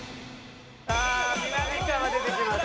さあみなみかわ出てきました。